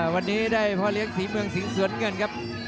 วันนี้ได้พ่อเลี้ยงศรีเมืองสิงสวนเงินครับ